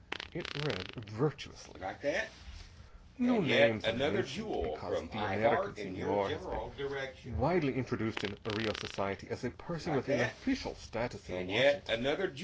It read, virtuously: No names are mentioned because the American Senhor has been widely introduced in Rio society as a person with an official status in Washington.